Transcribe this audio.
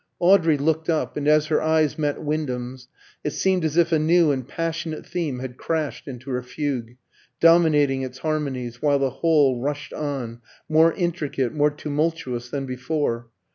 Audrey looked up, and as her eyes met Wyndham's, it seemed as if a new and passionate theme had crashed into her fugue, dominating its harmonies, while the whole rushed on, more intricate, more tumultuous than before.